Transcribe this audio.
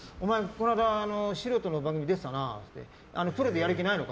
この間、素人の番組出てたなプロでやる気ないのか？